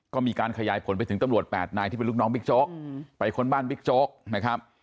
ก็มีการขยายผลไปถึงตำรวจ๘นายที่เป็นลูกน้องบิ๊กโจ๊กไปค้นบ้านบิ๊กโจ๊กนะครับ